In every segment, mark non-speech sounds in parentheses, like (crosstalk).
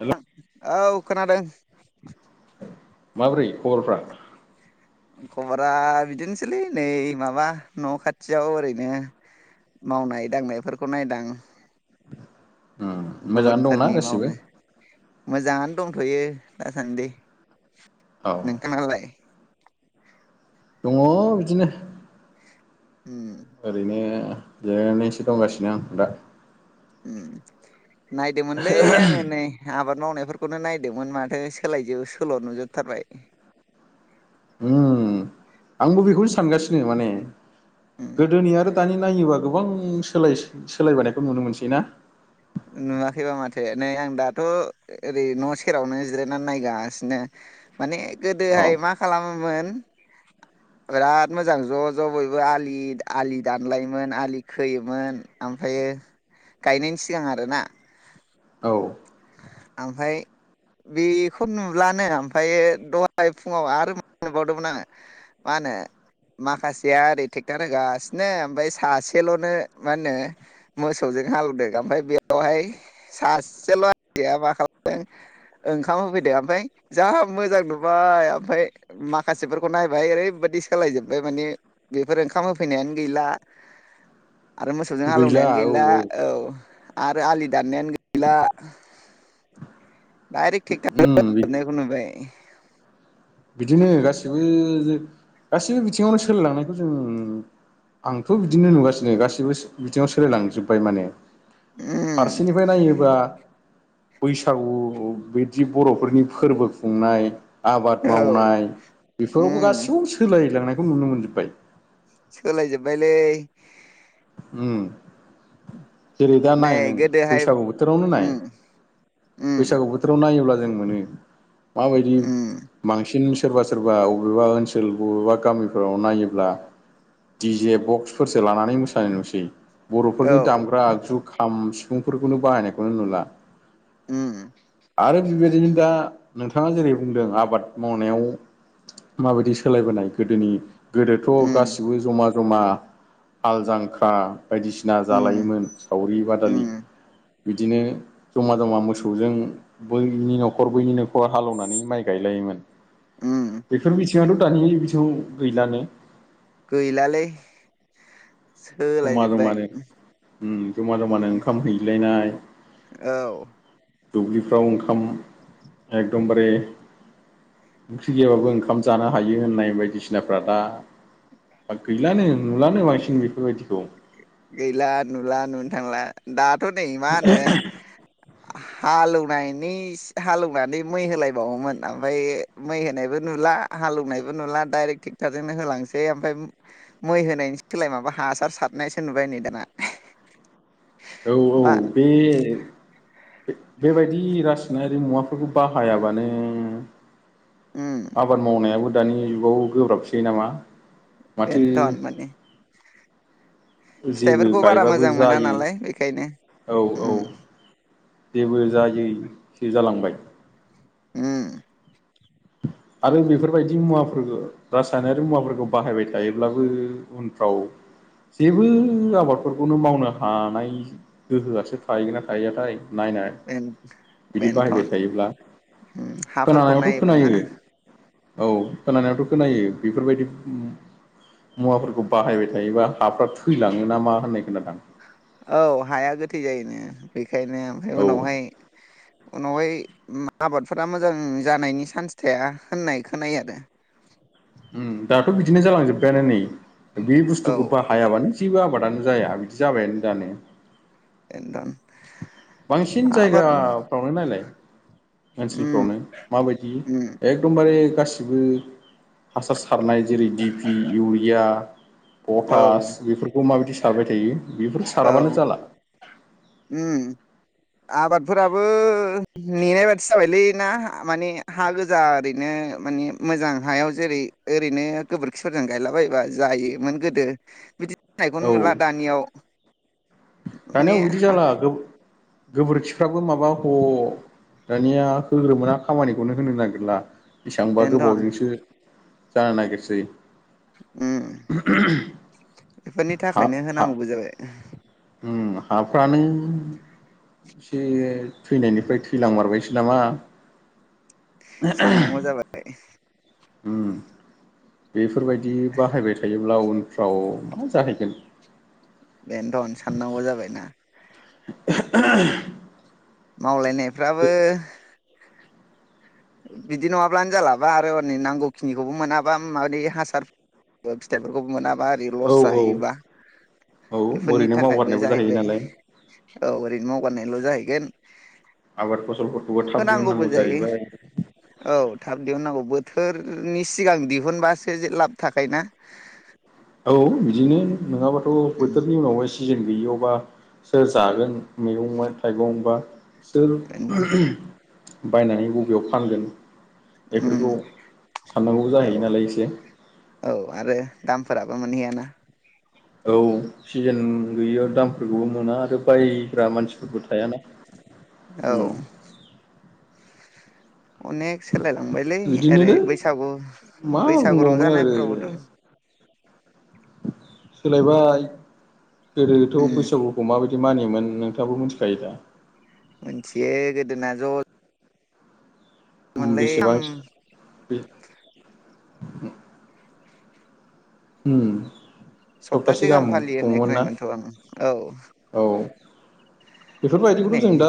हेल' औ खोनादों। माबोरै खबरफ्रा? खबरा बिदिनोसैलै नै माबा न' खाथियाव ओरैनो। मावनाय दांनायफोरखौ नायदों। मोजाङानो दंना गुबुनफोरनि गासिबो मावनो मोजां दंथ'यो दासान्दि औ नोंथालाय दङ बिदिनो उ ओरैनो जिरायनानैसो दंगासिनो आं दा नायदोंमोनलै आङो नै आबाद मावनायाव बेफोरखौनो नायदोंमोन माथो सोलायजो सोल' नुजोबथारबाय। आंबो बेखौनो सानगासिनो माने उम गोदोनि आरो दानि नायोबा गोबां सोल सोलायबोनायखौ नुनो मोनसै ना। नुवाखैबा माथो नै आं दाथ' ओरै न' सेरावनो जिरायनानै नायगासिनो माने अ गोदोहाय मा खालामोमोन बिराद मोजां ज' ज' बयबो आलि आलि दानलायोमोन आलि खोयोमोन ओमफ्रायो गायनायनि सिगां आरोना औ ओमफ्राय बेखौ नुब्लानो ओमफ्रायो दहाय फुङाव आरो नुबावदोंमोन आङो। नो माखासेया ओरै ट्रेक्टार होगासिनो ओमफ्राय सासेल'नो मा होनो मोसौजों जों हालौ (inaudible) (unintelligible) दों ओमफ्राय बेयावहाय सासेल' हया मा खालामदों ओंखाम होफैदो ओमफ्राय जा मोजां नुबाय ओमफ्राय माखासेफोरखौ नायबाय ओरैबाय दि सालाय जोबबाय माने बेफोर ओंखाम होफैनायानो गैला आरो मोसौजों हालौवनायानो गैला औ आरो आलि दाननायानो गैला। (unintelligible) बिदिनो गासिबबो -गासिबबो बिथिङावनो सोलाय लांनायखौ जों आंथ' बिदिनो नुगासिनो गासैबो बिथिङाव सोलायलांजोबबाय माने। उम फारसेनिफ्राय नायोबा बैसागु बिदि बर'फोरनि फोरबो खुंनाय आबाद औ मावनाय बेफोरावबो उम गासिखौबो सोलायलांनायखौ नुनो मोनजोबबाय। सोलाय जोब्बायलै। उम जेरै दा नै नाय नों गोदोहाय बैसागु बोथोरावनो नाय उम उम बैसागु बोथोराव नायोब्ला जों मोनो मा बायदि उम बांसिन सोरबा सोरबा बबेबा ओनसोल बबेबा गामिफोराव नायोब्ला डिजे बक्सफोरसो लानानै मोसा नाय नुसै। औ बर'फोरनि दामग्रा आगजु खाम सिफुंफोरखौनो बाहायनायखौनो नुला। उम। आरो बेबायदिनो दा नोंथाङा जेरै बुंदों आबाद मावनायाव माबायदि सोलायबोनाय गोदोनि गोदोथ' उम गासिबो जमा जमा हाल जांख्रा बायदिसिना उम जालायोमोन सावरि बादालि। उम बिदिनो जमा जमा मोसौजों बैनि न'खर बैनि न'खर हालेवनानै माइ गायलायो। उम। बिदिथ' दानिया बिथि गैलानो। गैलालै। जमा सोलायजोब्बाय जमानो उम जमा जमानो ओंखाम हैज्लायनाय। औ। दुब्लिफ्राव ओंखाम एकदमबारे ओंख्रि गैयाबाबो ओंखाम जानो हायो होननाय बायदिसिनाफ्रा दा गैलानो नुलानो बांसिन बेफोरबायदि। गैला नुला नुनो थांला दाथ' नै मा होनो हालौवनायनि हालेवनानै मै होलायबावोमोन ओमफ्राय मै होनायबो नुला। दा हालौनायबो नुला डायरेख टेक्टर जोंनो होलांसै ओमफ्राय मैं होनायनि सोलाय माबा सारनायसो नुबाय नै दाना। औ औ मा होनो बे बेबायदि मुवाफोरखौ बाहायाबानो उम आबाद मावनायाबो दानि जुगाव गोब्राबसै नामा। माथो बेनथ'न माने। जेबो फिथाइफोरखौ बारा गायबाबो मोजां मोना जायै नालाय बेखायनो औ औ। उम जेबो जायैसो जालांबाय। उम आरो बेफोरबायदि मुवाफोरखौ रासायनारि मुवाफोरखौ बाहायबाय थायोब्लाबो उनफ्राव जेबो आबादफोरखौनो मावनो हानाय गोहोआसो थाहैगोनना थाहैयाथाय। नायनाय बिदि बाहायबाय बेन-बेनथन थायोब्ला उम हाफोरखौ खोनानायावथ' नायोबा ना खोनायो। औ खोनानायावथ' खोनायो बेफोरबायदि मुवाफोरखौ बाहायबाय थायोबा हाफ्रा थैलाङो ना मा होननाय खोनादां। औ हाया गोथै जायोनो बेखायनो ओमफ्राय औ उनावहाय उनावहाय आबादफोरा मोजां जानायनि चान्स थाया होननाय खोनायो आरो। (inaudible) उम दाथ' बिदिनो जालांजोब्बायानो नै बे औ बुस्थुखौ बाहायाबानो जेबो आबादानो जाया बिदि जाबायानो दानो। बेनोथन बांसिन आबाद जायगाफ्रावनो नायलाय उम ओनसोलफ्रावनो माबायदि उम एखदमबारे गासिबो हासार सारनाय जेरै डिपि इउरिया औ पटास बेफोरखौ माबायदि सारबाय थायो बेफोरखौ साराबानो औ जाला। उम आबादफोराबो नेनाय बादि जाबायलै ना माने हा गोजा ओरैनो। मोजां हायाव जेरै ओरैनो गोबोरखिफोरजों गायला बायोबा जायोमोन गो बि थाइगं नुला दानियाव माने दानियाव बिदि हा जाला गो गोबोरखिफ्राबो माबा ह दानिया होग्रोना खामानिखौनो होनो नागिरला बेसेबांबा बेनोथन गोबावजोंसो जानो नागिरसै उ बेफोरनि थाखायनो होनांगौबो जाबाय ओम हाफ्रानो एसे थैनायनिफ्राय थैलांमारबायसै नामा? साननांगौ जाबाय उम बेफोरबायदि बाहायबाय थायोब्ला उनफ्राव मा जाहैगोन। बेनोथ' साननांगौ जाबायना। (inaudible) मावलायनायफ्राबो बिदि नङाब्लानो जालाबा आरो है नांगौखिनिखौबो मोनाबा माबै हासार फिथाइफोरखौबो मोनाबा ओरै औ लस औ जाहैयोबा औ बेफोरनि ओरैनो थाखायबो मावगारनायबो जाहैयो जाहैबाय नालाय औ ओरैनो मावगारनायल' जाहैगोन। आबादखौ होनांगौबो जायो औ थाब दिहुननांगौ बो बोथोरनि सिगां दिहुनबासो जे लाब थाखायो ना। औ बिदिनो नङाबाथ' बोथोरनि उनाव एसे सिजेन गैयियावबा सोर‌ जागोन मैगं बा थाइगं बा सोर उम (inaudible) बायनानै बबेयाव फानगोन बेफोरखौ साननांगौबो औ जाहैयो नालाय एसे मानियाना औ सिजेन गैयियाव दामफोरखौबो मोना आरो बायग्रा मानसिफोरबो थायाना औ। उम अनेक सोलायलांबायलै ओरै बिदिनोनो बैसागु मा बैसागु बुंबावनो आरो रंजानायफोरावबोथ' सोलायबाय। उम गोदोथ' बैसागुखौ माबायदि मानियोमोन नोंथाङाबो मिथिखायो दा। मिथियो गोदोना ज' मोनलै बेसेबा बे उम सप्तासे गाहाम फालियो होननाय खुङोमोन ना खोनायोमोनथ' आं औ औ। बेफोरबायदिखौथ' नै जों दा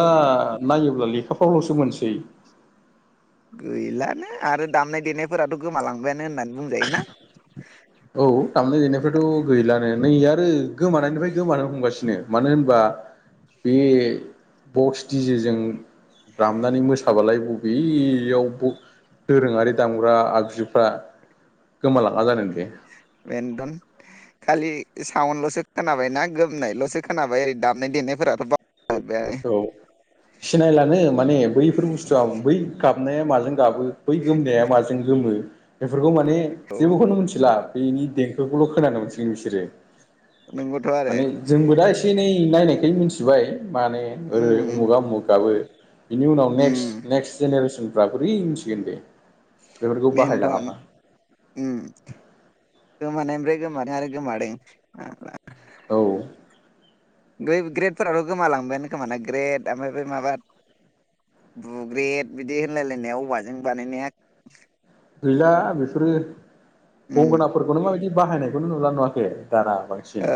नायोब्ला लेखाफ्रावल'सो मोनसै गैलानो आरो दामनाय देनायफोराथ' गोमालांबायानो होननानै बुंजायोना। औ दामनाय देनायफ्राथ' गैलानो नै आरो गोमानायनिफ्राय गोमानो हमगासिनो मानो होनबा बे बक्स दिजेजों दामनानै मोसाबालाय बबेयाव दोरोङारि दामग्रा आगजुफ्रा गोमालाङा जानो दे। बेनोथ खालि साउनडल'सो खोनाबायनाा गोमनायल'सो खोनाबाय ओरै दामनाय देनायफोराथ' बाव औ सिनायलानो माने बैफोर बुस्थु आं बै गाबनाया माजों गाबो। बै गोमनाया माजों गोमो। बेफोरखौ माने औ जेबोखौनो मोनथिला बेनि देंखोखौल' खोनानो मोनसिगोन बिसोरो। नंगौथ' आरो माने जोंबो दा एसे एनै नायनायखाय मिथिबाय माने होनो ओरै उम उमुगा उमुगाबो बिनि उनाव उम नेक्स नेक्स्ट जेनेरेसनफ्रा बोरै मिथिगोन बे। बेन्थन उम। गोमानाय ओमफ्राय गोमादों आरो गोमादों फाग्ला औ बे ग्रेटफोराथ' गोमालांबायानो खोमाना ग्रेट ओमफ्राय बे माबा बुग्रेद बिदि होनलायलायनाया औवाजों बानायनाया गैला बेफोरो उम गंगोननाफोरखौनो माबायदि बाहायनायखौनो नुला नुवाखै दाना बांसिन औ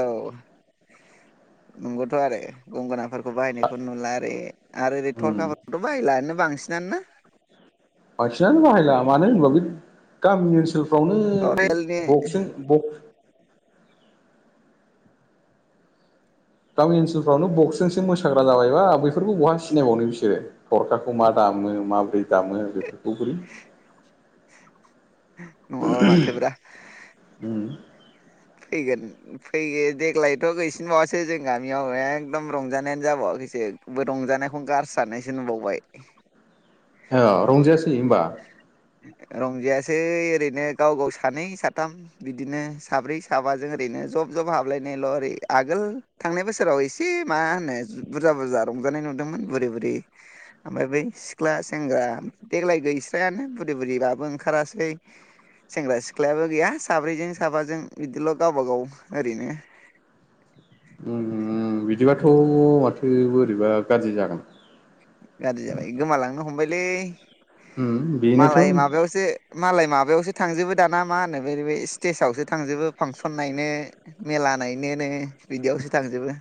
थ' आरो गंगोनाफोरखौ बाहायनायखौ नुला आरो ओरै उम थरखाफोरथ' बाहायलानो बांसिन जना बांसिनानो बाहायला मानो होनब्लाा बे गामि ओनसोल आवनो थरेलनि बक्सजों बक्स गामि ओनसोलफ्रावनो बक्सजोंसो मोसाग्रा जाबायबा बैफोरखौ बहा सिनायबावनो बिसोरो थरखाखौ मा दान दामो माबोरै दामो बेफोरखौ बोरै नङाबा माथो ब्रा उम फैगोन फै देग्लायथ' गैसिनबावासै जों गामियाव एखदम रंजानायानो जाबावाखै फैसेबो रंजानायखौनो गारसारनायसो नुबावबाय औ रंजायासै होमबा (unintelligible) रंजायासै ओरैनो गाव गाव सानै साथाम बिदिनो साब्रै साबाजों ओरैनो जब जब हाबलायनायल' ओरै आगोल थांनाय बोसोराव एसे मा होनो बुरजा बुरजा रंजानाय नुदोंमोन बुरै बुरै ओमफ्राय बै सिख्ला सेंग्रा देग्लाय गैस्रायानो बोरैबाबो ओंखारासै सेंग्रा सिख्लायाबो गैया साब्रैजों साबाजों बिदिल' गावबा गाव ओरैनो (inaudible) बिदिबाथ' माथो बोरैबा गाज्रि जागोन गाज्रि जाबाय गोमालांनो हमबायलै उम बेनोथ' मालाय माबायावसो मालाय माबायावसो थांजोबो दाना मा होनो बेै स्टेजावसो थांजोबो फांसन नायनो मेरला हानाय नो बिदियावसो थांजोबो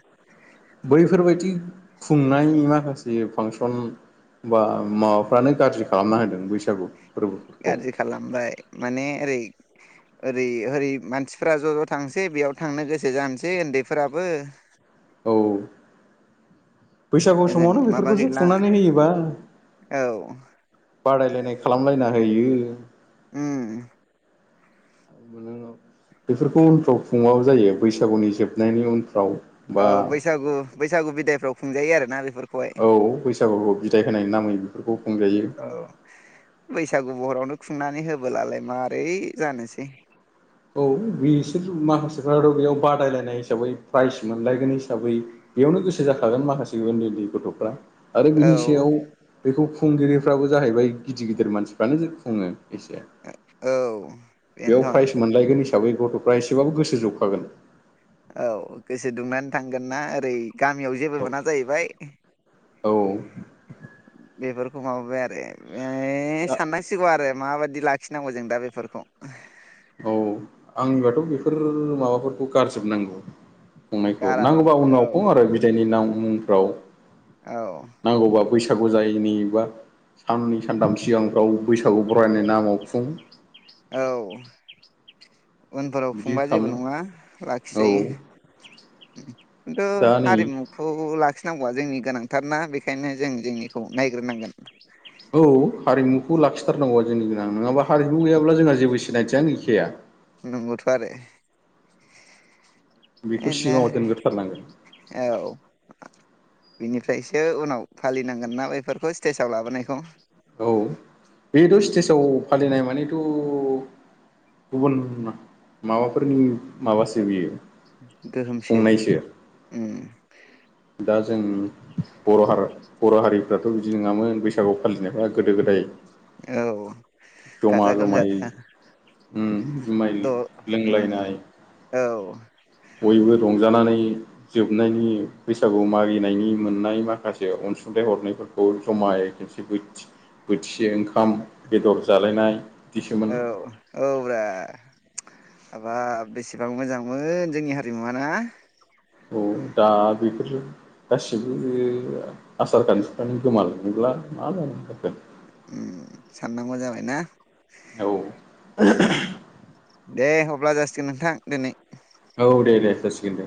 खुंनायनि माखासे फांसन बा माबाफ्रानो गाज्रि खालामना होदों बैसागु फोरबोफोरखौ गाज्रि खालामबाय माने ओरै ओरै ओरै मानसिफ्रा ज' ज' थांसै बेयाव थांनो गोसो जानोसै उन्दैफोराबो औ बैसागु ओजों समावनो माबा बेफोरखौसो गैला खुंनानै होयोबा औ बादायलायनाय खालामलायना होयो ओम बेफोरखौ उनफ्राव खुङाबो जायो बैसागुनि जोबनायनि उनफ्राव बा औ बैसागु बैसागु बिदायफ्राव खुंजायो आरोना बेफोरखौ औ बैसागुखौ बिदाय होनायनि नामै बेफोरखौ खुंजायो औ बैसागु बहरावनो खुंनानै होबोलालाय मारै जानोसै औ बिसोर माखासेफ्राथ' बेयाव बादायलायनाय हिसाबै प्राइज मोनलायगोन हिसाबै बेयावनो गोसो जाखागोन माखासे उन्दै उन्दै गथ'फ्रा आरो बिनि औ सायाव बेखौ खुंगिरिफ्राबो जाहैबाय गिदिर गिदिर मानसिफ्रानो जों खुङो एसे औ बेनोध अनलायगोन हिसाबै गथ'फ्रा एसेबाबो गोसो जखागोन औ गोसो दुंनानै थांगोन ना ओरै गामियाव जेबो मोना जाहैबाय औ बेफोरखौ मावाबाय आरो बे साननांसिगौ आरो माबायि लाखिनांगौ जों दा बेफोरखौ औ आंनिबाथ' बेफोर माबाफोरखौ गारजोबनांगौ खुंनायखौ नांगौ गाराबाबो बा औ उनाव खुं आरो बिदायनि मुंफ्राव औ नांगौबा बैसागु जायि नि बा साननै सानथाम सिगांफ्राव बैसागु बरायनाय नामाव खुं औ उनफोराव बिदि खुंबा जेबो नंङा खालामनो औ लाखिजायो दा नै हारिमुखौ लाखि नांगौआ जोंनि गोनांथारना बेखायनो जों जोंनिखौ नायग्रोनांगोन औ हारिमुखौ लाखिथारनांगौआ जोंनि गोनां नङाबा हारिमु गैयाब्ला जोंहा जेबो सिनायथियानो गैखाया नंगौथ आरो बेखौ सिगाङाव दोनग्रोथारनांगोन बिदिनो औ बिनिफ्रायसो उनाव फालिनांगोन ना बेफोरखौ स्टेजाव लाबोनायखौ औ बेथ उम स्टेजाव फालिनाय माने थ गुबुन माबाफोरनि माबासो बियो गोहोमसे खुंनायसो उम दा जों बर हारिफ्राथ बिदि नंङामोन बैसागु फालिनायफ्रा गोदो गोदाय औ जमा गाजा गोमजा जमायै था जुमाय द' उम लोंलायनाय (inaudible) औ बयबो रंजानानै जोबनायनि बैसागु मागिनायनि मोननाय माखासे अनुंथाइ हरनायफोरखौ जमायै खोनसे बोथिसे ओंखाम बेदर जालायनाय बिदिसोमोन औ औब्रा हाबाब बेसेबां मोजांमोन जोंनि हारिमुवा ना औ दा बेफोरो गासिबो आसार खान्थिफ्रानो गोमालांनो (unintelligible) साननांगौ जाबायना औ (inaudible) दे अब्ला जासिगोन नोंथां दिनै औ दे दे जासिगोन दे